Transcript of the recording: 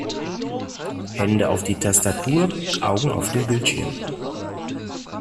Hände auf die Tastatur, Augen auf den Bildschirm!